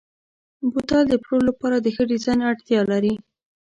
بوتل د پلور لپاره د ښه ډیزاین اړتیا لري.